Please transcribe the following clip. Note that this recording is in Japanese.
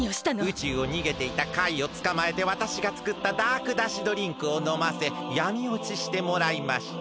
宇宙をにげていたカイをつかまえてわたしがつくったダークだしドリンクをのませやみおちしてもらいました。